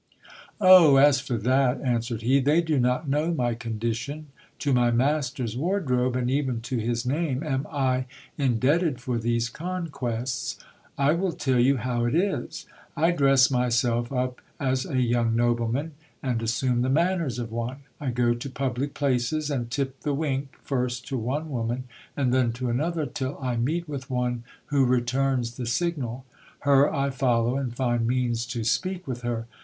Oh ! as for that, answer ed he, they do not know my condition. To my master's wardrobe, and even to his name, am I indebted for these conquests. I will tell you how it is. I dress myself up as a young nobleman, and assume the manners of one. I go to public places, and tip the wink first to one woman and then to another, till I meet with one who returns the signal. Her I follow, and find means to speak with her.